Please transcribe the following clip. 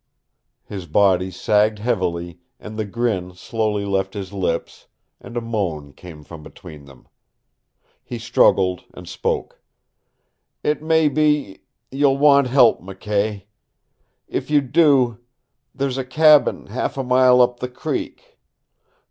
His body sagged heavily, and the grin slowly left his lips, and a moan came from between them. He struggled and spoke. "It may be you'll want help, McKay. If you do there's a cabin half a mile up the creek.